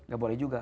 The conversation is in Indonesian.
gak boleh juga